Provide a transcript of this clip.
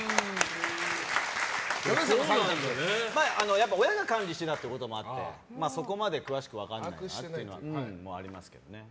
やっぱり親が管理してたということもあってそこまで詳しく分からないっていうのはありますね。